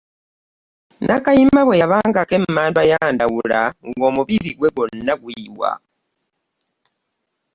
Nakayima bwe yabangako emmandwa ya Ndahura, ng’omubiri gwe gwonna guyiwa.